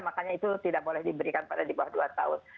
makanya itu tidak boleh diberikan pada di bawah dua tahun